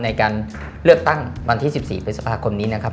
ในการเลือกตั้งวันที่๑๔พฤษภาคมนี้นะครับ